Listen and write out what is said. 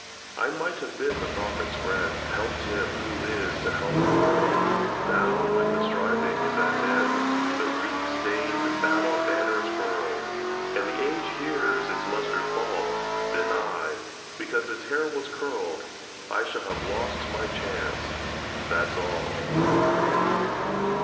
I might have been the prophet's friend, Helped him who is to help the world! Now, when the striving is at end, The reek stained battle banners furled, And the age hears its muster call, Then I, because his hair was curled, I shall have lost my chance that's all.